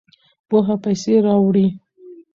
پوهه پیسې راوړي.